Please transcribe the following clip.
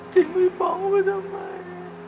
จริงพี่ป๋องไว้ทำไม